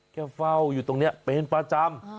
เฝ้าอยู่ตรงนี้เป็นประจำ